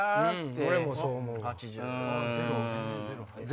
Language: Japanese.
俺もそう思う。